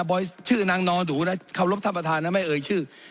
บอยซ์ชื่อนางนอดูนะขอบรับท่านประธานนะแม่เอ๋ยชื่อ